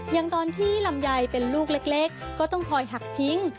อย่างตอนที่ลำไยเป็นลูกเล็กก็ต้องคอยหักทิ้ง